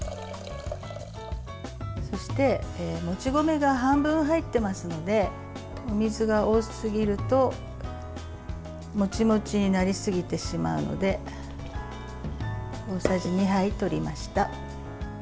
そして、もち米が半分入ってますのでお水が多すぎるとモチモチになりすぎてしまうので大さじ２杯とりました。